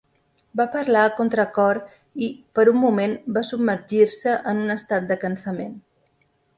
Va parlar a contracor i, per un moment, va submergir-se en un estat de cansament.